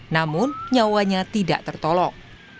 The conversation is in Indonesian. namun nyawanya tidak tertolong